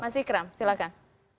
mas ikram silahkan